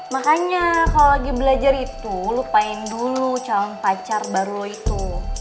makanya kalau lagi belajar itu lupain dulu calon pacar baru itu